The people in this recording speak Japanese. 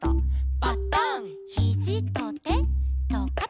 「パタン」「ヒジとてとかた」